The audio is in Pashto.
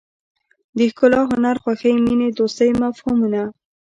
د ښکلا هنر خوښۍ مینې دوستۍ مفهومونه.